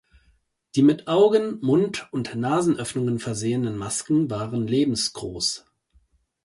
Die mit Augen- Mund- und Nasenöffnungen versehenen Masken waren lebensgroß.